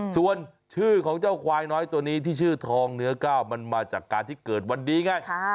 ส่วนชื่อของเจ้าควายน้อยตัวนี้ที่ชื่อทองเนื้อก้าวมันมาจากการที่เกิดวันนี้ไง